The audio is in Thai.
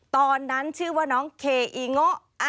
ตอนนั้นชื่อว่าน้องเคอีโงะ